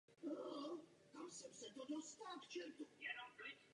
Myslím, že musíme mít na paměti skutečné obavy našich voličů.